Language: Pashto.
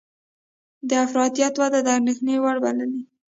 د افراطیت وده د اندېښنې وړ بللې